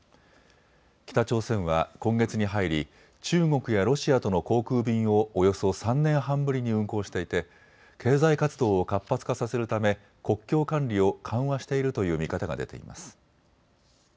北朝鮮は今月に入り、中国やロシアとの航空便をおよそ３年半ぶりに運航していて経済活動を活発化させるため国境管理を緩和しているという見方が出ています。